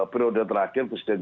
periode terakhir presiden